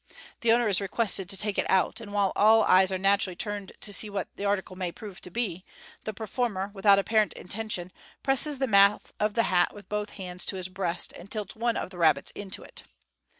The owner is requested to take it out, and while all eyes are naturally turned to see what the article may prove to be, the performer, with out apparent intention, presses the mouth of the hat with both hands to his breast, and tilts one of the rabbits into it.